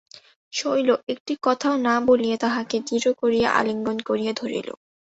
শৈল একটি কথাও না বলিয়া তাহাকে দৃঢ় করিয়া আলিঙ্গন করিয়া ধরিল।